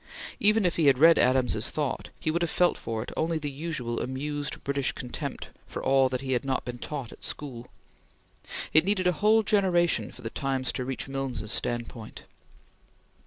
Even if he had read Adams's thought, he would have felt for it only the usual amused British contempt for all that he had not been taught at school. It needed a whole generation for the Times to reach Milnes's standpoint.